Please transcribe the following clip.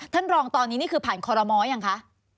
ท่านรองตอนนี้นี่คือผ่านคอรมอยังคะ